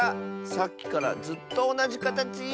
さっきからずっとおなじかたち！